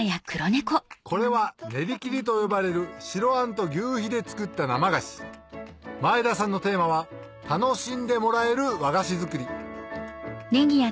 これは練り切りと呼ばれる白あんと求肥で作った生菓子前田さんのテーマは楽しんでもらえる和菓子作り